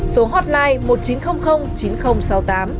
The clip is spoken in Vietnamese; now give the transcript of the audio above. số hotline một nghìn chín trăm linh chín nghìn sáu mươi tám